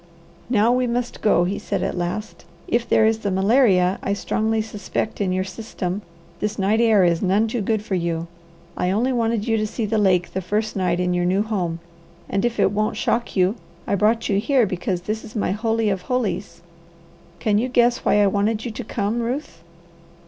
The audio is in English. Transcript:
"Now we must go," he said at last. "If there is the malaria I strongly suspect in your system, this night air is none too good for you. I only wanted you to see the lake the first night in your new home, and if it won't shock you, I brought you here because this is my holy of holies. Can you guess why I wanted you to come, Ruth?"